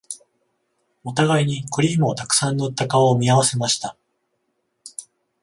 お互いにクリームをたくさん塗った顔を見合わせました